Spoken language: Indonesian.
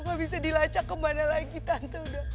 gak bisa dilacak kemana lagi tante